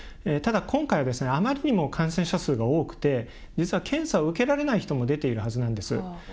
ただ、今回はあまりにも感染者数が多くて実は、検査を受けられない人も出ているはずなんです。